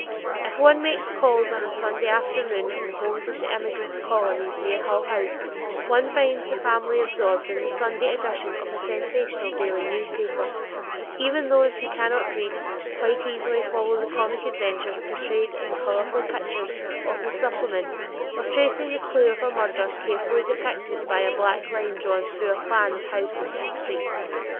If one makes calls on a Sunday afternoon in the homes of the immigrant colonies near Hull House, one finds the family absorbed in the Sunday edition of a sensational daily newspaper, even those who cannot read, quite easily following the comic adventures portrayed in the colored pictures of the supplement or tracing the clew of a murderer carefully depicted by a black line drawn through a plan of the houses and streets.